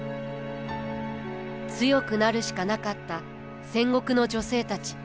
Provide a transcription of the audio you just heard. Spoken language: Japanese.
強くなるしかなかった戦国の女性たち。